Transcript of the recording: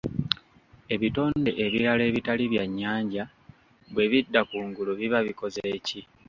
Ebitonde ebirala ebitali byannyanja bwe bidda kungulu biba bikoze ki?